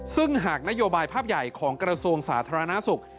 ซึ่งหากนโยบายภาพใหญ่ของกระทรวงสาธารณสุข